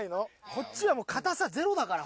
こっちは固さゼロだから。